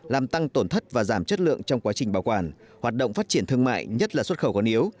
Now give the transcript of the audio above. làm tăng tổn thất và giảm chất lượng trong quá trình bảo quản hoạt động phát triển thương mại nhất là xuất khẩu còn yếu